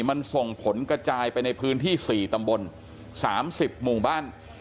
มันส่งผลกระจายไปในพื้นที่๔ตำบล๓๐หมู่บ้าน